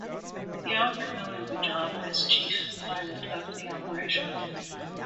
He offered Miller the job as chief pilot of the operation.